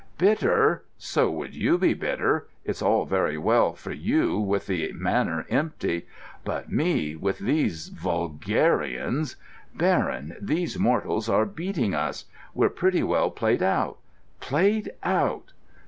"Bitter! So would you be bitter! It's all very well for you, with the Manor empty;—but me, with these vulgarians!... Baron, these mortals are beating us: we're pretty well played out. 'Played out!